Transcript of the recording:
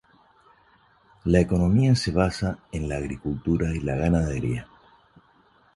La economía se basa en la agricultura y la ganadería.